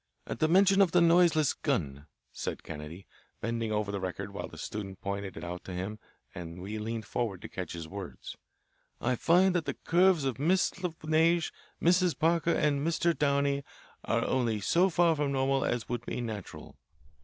"At the mention of the noiseless gun," said Kennedy, bending over the record, while the student pointed it out to him and we leaned forward to catch his words, "I find that the curves of Miss La Neige, Mrs. Parker, and Mr. Downey are only so far from normal as would be natural.